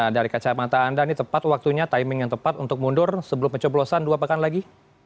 dari kacamata anda ini tepat waktunya timing yang tepat untuk mundur sebelum pencoblosan dua pekan lagi